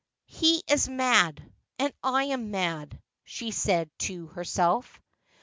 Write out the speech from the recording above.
' He is mad, and I am mad,' she said to herself.